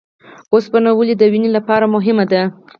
اوسپنه ولې د وینې لپاره مهمه ده؟